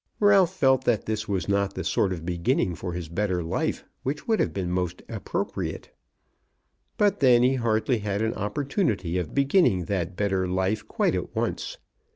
Ralph felt that this was not the sort of beginning for his better life which would have been most appropriate; but then he hardly had an opportunity of beginning that better life quite at once.